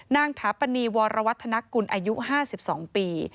ถาปนีวรวัฒนกุลอายุ๕๒ปี